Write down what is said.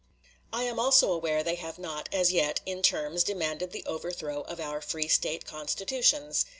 I am also aware they have not, as yet, in terms, demanded the overthrow of our free State constitutions.